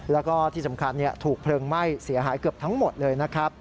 แล้วก็ที่สำคัญถูกเพลิงไหม้เสียหายเกือบทั้งหมดเลยนะครับ